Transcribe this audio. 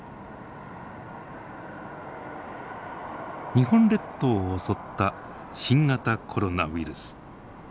日本列島を襲った新型コロナウイルス。